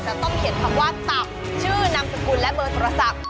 จะต้องเขียนคำว่าตับชื่อนามสกุลและเบอร์โทรศัพท์